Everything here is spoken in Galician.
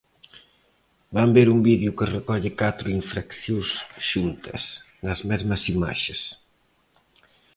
Van ver un vídeo que recolle catro infraccións xuntas, nas mesmas imaxes.